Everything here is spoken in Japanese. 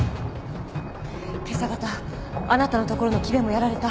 けさ方あなたのところの岐部もやられた。